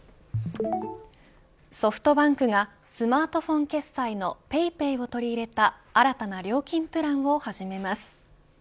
ソフトバンクがスマートフォン決済のＰａｙＰａｙを取り入れた新たな料金プランを始めます。